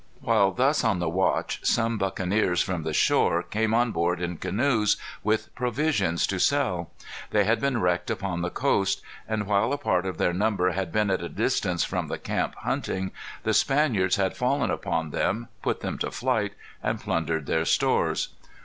While thus on the watch, some buccaneers, from the shore, came on board in canoes, with provisions to sell. They had been wrecked upon the coast; and while a part of their number had been at a distance from the camp hunting, the Spaniards had fallen upon them, put them to flight, and plundered their stores.